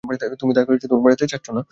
তুমি আমাকে বাঁচাতে চাচ্ছ না।